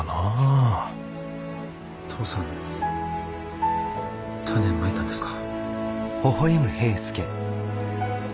父さん種まいたんですか？